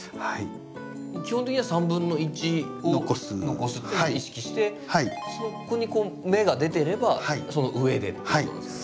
基本的には３分の１を残すっていうのを意識してそこに芽が出てればその上でってことなんですか？